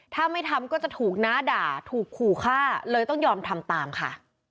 ถ้าไม่ทำก็จะถูกน้าด่าถูกขู่ฆ่าเลยต้องยอมทำตามค่ะ